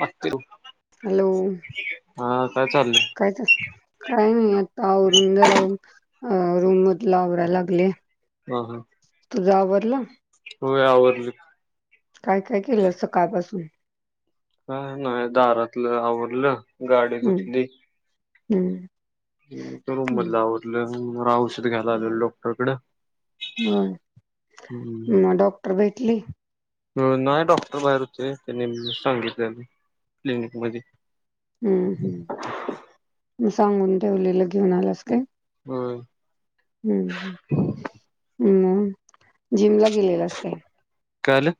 मस् [inaudible] हॅलो चाललंय काय तर काय नाही आता आवरून जरा अह रूम मधल आवरातला लागले हा हा तुझ आवरला हो आवरल काय काय केलं सकाळपासून. हा नाही दारातलं आवरल गाडी हम्म धुतली. हम्म. रूम हम्म मध आवरलं औषध घ्यायला आलेलं डॉक्टरकडं. हो हम्म म डॉक्टर भेटली. नाही डॉक्टर बाहेर होते त्यांनी सांगितले क्लिनिक मध्ये हम्म हम्म मग सांगून ठेवलेल घेऊन आलास का हम हम्म हम्म मग जिमला गेलेलास काय काय झालं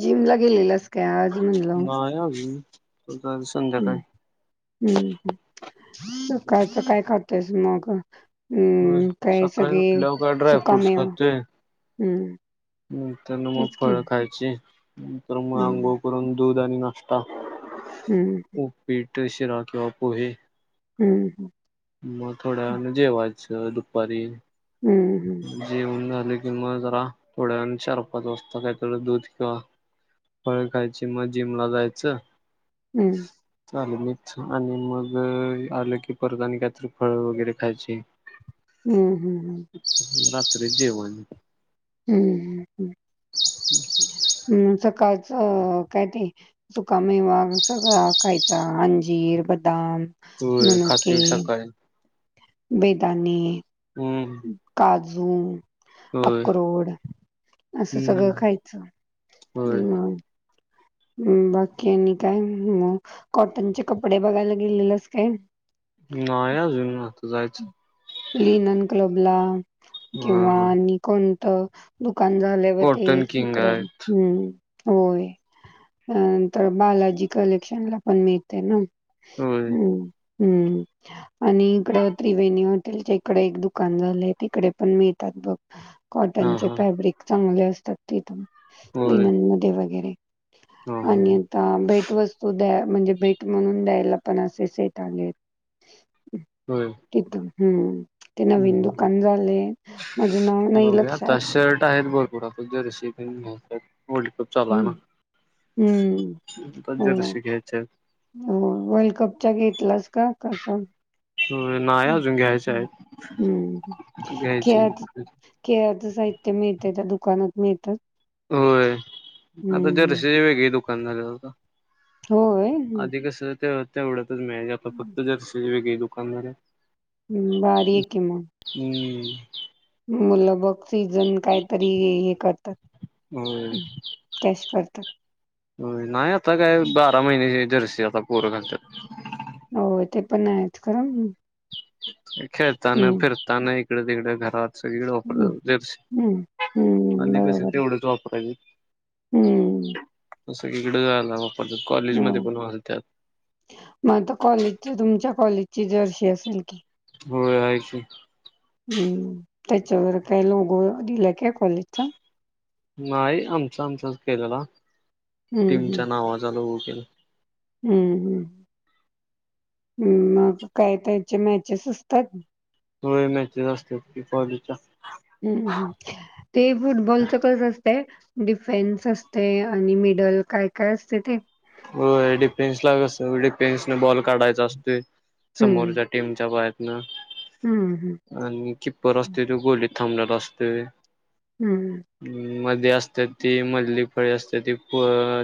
जिमला गेलेलास काय आज म्हणलं नाही अजून संध्याकाळी हम् हम्म सकाळचा काय खातोस मग हम्म काय सकाळी सगळे उठल्या हो काय ड्रा फ्रूट्स सुकामेवा खातोय हम्म नंतर नी मग तेच की फळ खायची नंतर मग हम्म अंघोळ करून दूध आणि नाश्टा हम्म उपीट शिरा किंवा पोहे हम्म हम् मग थोड्या न जेवायच दुपारी हं, हं, जेवण झाले किंवा जरा थोड्या चारपाच वाजता काहीतरी दूध किंवा फळ खायची मग जिमला जायचं हम्म झालं मी आणि मग आलं की परत आणि काहीतरी फळ वगैरे खायची हम्म हम् हम रात्री जेवाण हम्म ह हम् सकाळच काय ते सुका मेवा सगळा खायचा, अंजीर, बदाम, बदाम, होय खातोय मुनुके, सकाळी बेदाने, हम्म. [unintelligible] होय अक्रोड असं सगळं हम्म खायचं. होय मग [inaudible] हम् बाकी आणि काय मग कॉटनचे कपडे बघायला गेलेलास काय? जायच लिनन क्लब ला हा किंवा हा आणि कोणतं दुकान झाल्यावर ते कॉटन किंग इकडं आहेत हम् होय नंतर बालाजी कलेक्शन ला पण मिळते ना. होय हम् हम्म आणि इकडं त्रिवेणीच्या तच्या इकडे एक दुकान झालंय तिकडे पण मिळतात बघ. हा कॉटनचे हा फॅब्रिक चांगले अस तिथं होय लिनन मध्ये वगैरे. हा हा आणि आता भेट वस्तू द्या म्हणजे भेट म्हणून द्यायला पण असे सेट आले होय तिथून हम्म. ते हम्म नवीन दुकान झाले माझे नाव नाही बघूया लक्षात आता शर्ट आहेत भरपूर आता जर्सी वर्ल्ड कप चालू आहे ना. हम्म आता हो. जर्सी घ्यायच्या हो वर्ल्ड कपच्या घेतलास का कसा? आहेत नाही अजून घ्यायच्या हम् आहेत घ्यायची खेळाचं खेळाचं साहित्य मिळते त्या दुकानात मिळ होय आता हम्म जर्शीची वेगळी दुकान झालेत आत्ता. होय हं. अधिक कस ते तेवढतच मिळायचं आता फक्त जर्शी ची वी दुकान झाल्यात. हम् भारी आहे की मग. हम् मला. बग सीझन काय तरी, हे करतात होय कॅश करतात. हो नाही. आता काय बारा महिने जर्सी आता पोर घालतात. हो ते पण आहेच खर- खेळताना, फिरताना इकडे तिकडे घर- सगळीकडे हम्म वापर हम्म [unintelligible] हम्म आधी कस बरोबर आहे. तेवढंच वापरय- हम्म. त सगळीकडं आलं. हं. मग तु कॉलेज तुमच्या कॉलेज- ची जर्शी असेल की. हो आहे की. हम्म. त्याच्यावर काय लोगो दिलाय काय कॉलेजचा? नाही आमच आमचच केलेला. हम्म हम्म टीमच्या नावाचा लोगो केला. हम्म हम्म. हम्. मग काय त्याचे मॅचेस असतात. होय, मॅचेस असतात कि कॉलेजच्या. हम्म हम्म ते फुटबॉलचं कसं असतंय डिफेन्स असते आणि मिडल काय काय असते ते? हो डिफेन्सला कस? डिफेन्स न बॉल- काढायच असते. हम्म समोरच्या टीमच्या बाहेतनं. हम्म आणि किप्पर असते तो गोलीत थांबलेला असतोय. हम्म. मध्ये असते ती मधली फळी असते ती फ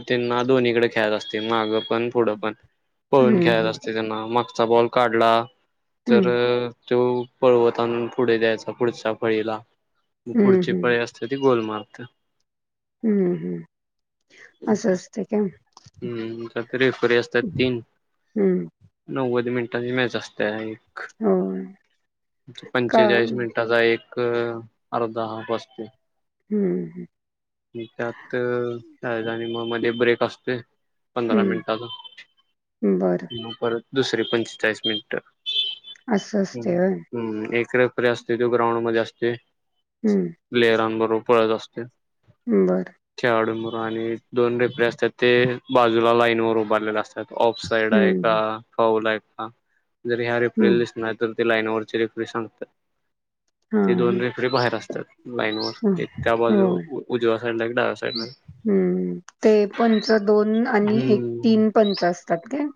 -त्यांना दोन्हीकडे- खेलायचं असते. मागं पण पुढं पण पळून खेळत हम्म असते. त्यांना मागचा बॉल काढला- तर हम्म तो पळवतान पुढे द्यायचा. पुढच्या फळीला. मग हम्म हम्म पुढची हम्म पळी असते ती गोल मारते हम्म हम्म अस असत ते. हम् का त रेफरी असतात तीन. हम्म नऊ- नव्वद मिनिटांची मॅच असत्या. एक हो का पंचेचाळीस मिनिटाचा एक- एक आर्धा हाफ आसतोय हम्म आणि त्यात- त्या आणि मग मध्ये ब्रेक असते पंधरा हम्म मिनिटाचा बरं मग परत- दुसरे पंचेचाळीस मिनिट. अस असतय व्हय? रेफ्रि असते ती ग्राउंड मध्ये असते. हम्म प्लेयरांबरोबर पळत असते. बरं. आणि दोन रेफ्री असतात ते बाजूला लाईन वर उभारलेले असत- ऑफ साइड आहे का? हम्म फाऊल आहे का? जर ह्या रिप्रिल हम्म दिसणार तर ते लाईन व- चे रेफ्रि सांगतात. ते दोन हां रेफरी बाहेर असतात लाईनवर. हां एक त्या बाजू होय उजव्या साईडला एक डाव्या साईडला. हम् ते- पंच दोन आणि एक हम्म तीन पंच असतात काय?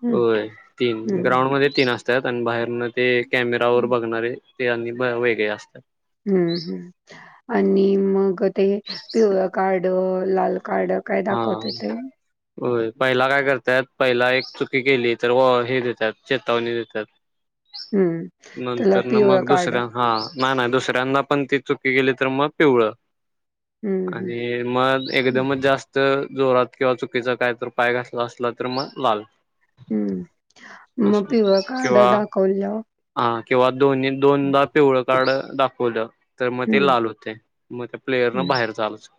त आणि बाहेर ते कॅमेरा वर बघणारे ते आणि वेगळे असतात. हम्म ह् आणि मग ते पिवळ कार्ड, लाल- कार्ड काय हा दाखवते ते? होय पहिला काय करतात? पहिला एक चुकी केली तर व हे देतात चेतावणी देतात. हम्म. त्याला नंतर ना पिवळं मग, कार्ड. दुसऱ्या हा- ना नाही दुसऱ्यांदा पण ती चुकी केेली तर मग पिवळ. हम्म, हम्म, आणि मग हम्म, एकदमच जास्त- जोरात किंवा चुकीच काय तर पाय घातला असलं तर मग लाल. हम्म. अस मग पिवळं कार्ड किंवा दाखवल्यावर हा किंवा दोन्ही हम्म, दोनदा पिवळं कार्ड दाखवलं तर मग ते हम्म, लाल होते. मग त्या प्लेयर न बाहेर जायाच.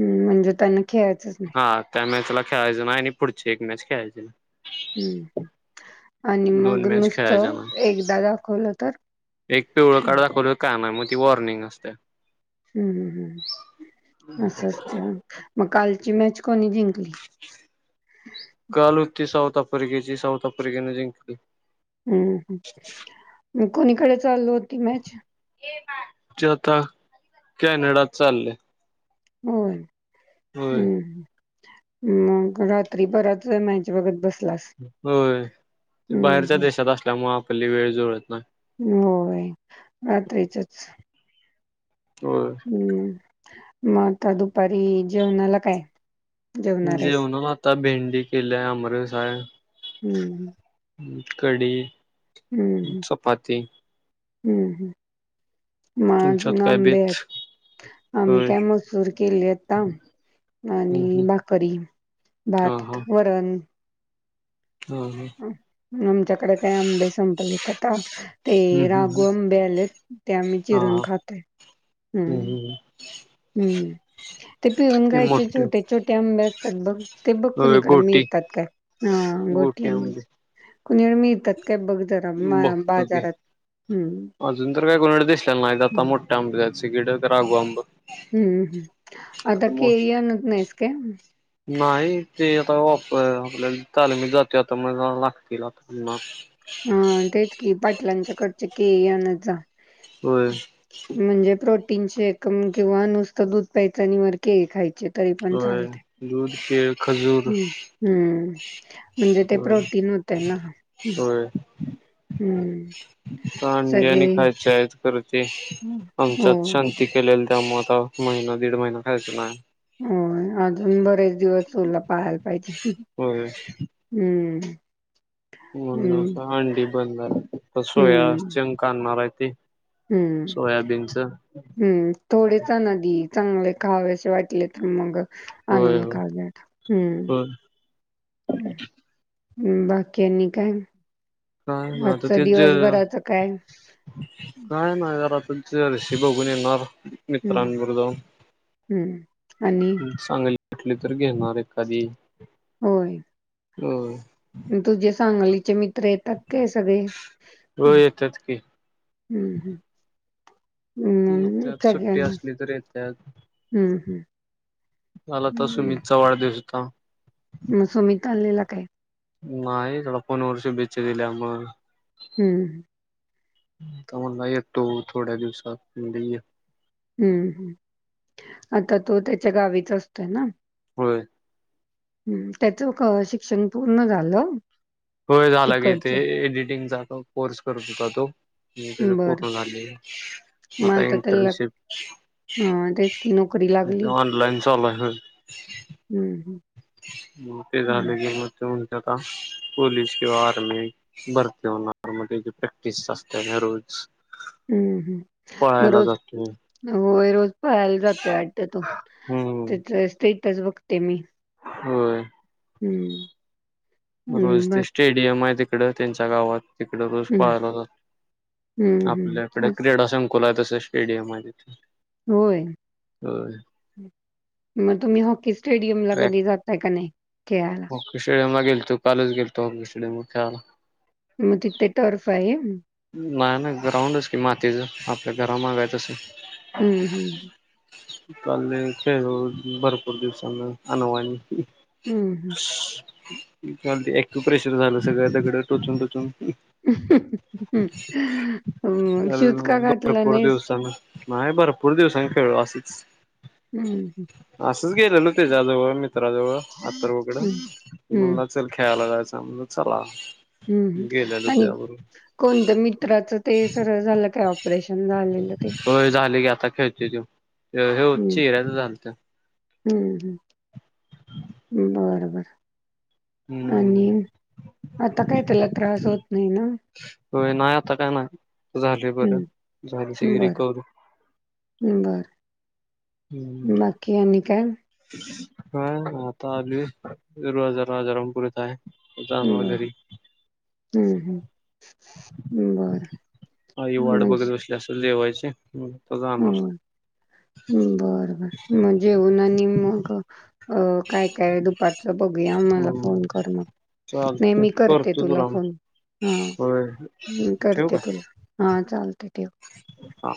हम् म्हणजे त्यांना खेळायचंच नाही. त्याला खेळायच नाही आणि पुढचे एक मॅच खेळायची नाय. हम्म ह आणि दोन मग मॅच खेळायच्या नुसतं नाही एकदा दाखवलं तर? एक पिवळं हं, कार्ड दाखवल तर काय नाय मग ती वॉर्निंग असते. हम्मम् हम् अस असते मग कालची मॅच कोणी जिंकली? काल होती साऊथ आफ्रिकेची साऊथ आफ्रिकेने जिंकली. हम्म म कोणीकडे चालु होती मॅच? जे आता कॅनडात चालले. होय होय हम्म मग रात्री बराच वेळ मॅच बघत बस होय ते बाहेरच्या हं. देशात असल्यामुळे आपली वेळ जुळत नाय. होय रात्रीचच होय. हम्म. मग आता दुपारी जेवणाला काय? जेवणार आहेस? जेवन आता भेंडी केल्या, आमरस हाय. हम्म कडी, हम्म चपाती हम्म हम् मग तुमच्यात आजून काय आंबे बेत आहेत? आम्ही होय. काय मसूर केली आता. हम्म आणि हम्म भाकरी, हा हा भात, वरण हा आमच्याकडे काय अंआंबे संबलितता ते हम्म हम्म राघु आंबे आलेत ते आम्ही हा चिरून हा खातोय. हम्म हम्म ते पिऊन खायचे मोठे छोटे छोटे आंबे असतात, बघ ते बघ होय कुणीकडं गोटी मिळतात काय हा गोटी आंबे कुणीकडे मिळतात काय? ते बघं जरा बघतो की बाजारात हम्म अजून तर काय कोणाकडे दिसलेले नाय आता मोठे आंब द्यायचे राघू आंब हम्मम् आता केळी आणत नायस काय? नाही ते आता आपल्या तालमिक जातोय आता म लागतील आता पुन्हा हा तेच कि पाटलांच्याकडची केळी आणत जा होय म्हणजे प्रो टीन शेक म किंवा नुसत दूध प्यायचं नी वर केळी खायची. तरी पण होय चालतय. दूध केळ खजूर हं म्हणजे ते होय प्रोटीन मिळतय ना हम् होय हम्म अंडी सगळे आणि खायचे परत ते हम्म. हो आमच्यात शांती केलेली. त्यामुळ आता महिना दीड महिना खायच नाय. हो अजून बरेच दिवस तुला पाळायला पाहिजे. होय हम्म हम्म म्हण अंडी बंदाय सोया चंक आणाराय ते हम्म सोयाबीनच हम्म थोडेच न चांगले खावेसे वाटले तर मग होय आणून होय खावेत हम्म होय बाकी आनी काय? काय ना आता आजचं ते ज दिवसभराचं काय? शी बघून येणार हं, मित्रांबरोबर जाऊन. हं. आणि चांगली कुठलीं तर घेणार एखादी होय. अं तुझे सांगलीचे मित्र येतात काय सगळे? हो हम्म येतात की हम्म हम्म येतात सग सुट्टी हम्म असली तर येतात हम्म मला तर सुमितचा वाढदिवस होता. मग सुमित आलेला काय? नाही त्याला फोन वर शुभेच्छां दिल्या मग हम्म तो म्हटला थोड्या दिवसांत हम्म हम् आता तो त्याच्या गावीच असतोय ना हो हम् त्याचं शिक्षण पूर्ण झालं होय झाला गी तेे तिकडचं? एडिटिंगचा कोर्स करत होता तो म बरं. पूर्ण झाले आता इंटर्नशिप हा तेच कि नोकरी लागली ऑनलाईन चालू हम्म हम् म ते झाले के म आता पोलीस किंवा आर्मी भरती होणार म्हणजे प्रॅक्टिस असते ना रोज हम्म हम् म पळायला रज जातो हो रोज पहायला जात वाटत तो हम्म त्याच स्टेटस बघते मी होम हम्म रोज ते स्टेडियम आहे तिकड त्यांच्या गावात तिकडे रोज हं, पळायला हं, हं. आपल्याकडे असं क्रीडा संख अकोला तसं स्टेडियम आहे तिथे होय होय मग तुम्ही हॉकी स्टेडियम ला ट्रॅक कधी जातय कनाय हॉकी स्टेडियम गेलतू कालच गेलतो हॉकी स्टेडियम वर खेळयला मग तथ टर्फ आहे नाही नाही ग्राउंडच कि मातीच आपल्या घरामागाय तस हम्म हम्म कालले खेळ भरपूर दिवसाांन अनवानी हम्म हम्म चाल ्य प्रेशर झालं सगळं दगङ टोचून टोचून मग काल शूतका घातला भरपूर नाही दिवसानं नाही बरं पूर दिवसां खेळू असंच हम्म हम् असंच गेलेलो त्याच्याजवळ मित्राजवळ अथर्व कङ हं, हं, हं. म्हणला चल खेळायला जायचं आम चला हम्म् गेलेलो आणि त्याच्याबरोबर कोणतं मित्राचं ते सरळ झालं काय ऑपरेशन झालेलं ते हो झाले गी आता खेळते त हे हम्म. िऱ्याच झाल ते हम्म हम् बरोबर हम्म आणि आता काय त्याला त्रास होत नाही ना हो नाही आता काय नाही झाले बरं हम्म झाली सगळी रिकवर्ही बं बर बाकी अन काय ह आता आलूय राजारामपुरी हाय जाणार बरं घरी हम्म हम्म बरं आई वाट म्हणजे बघत बसली असल जेवायची आता हो जाणार बर बर मग जेवन आणि मग अ काय काय वेळ दुपारचं बघूया म्हाला हम्म फोन कर मग नाही मी करते तुला फोन हो हम् करते तुला, हा चालऽऽ हा,